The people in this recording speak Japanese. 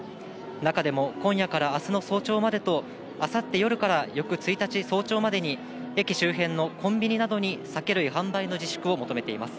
中でも、今夜からあすの早朝までとあさって夜から翌１日早朝まで、駅周辺のコンビニなどに、酒類販売の自粛を求めています。